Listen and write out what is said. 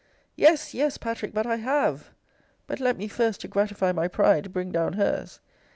Yes, yes, Patrick, but I have. But let me, first, to gratify my pride, bring down her's.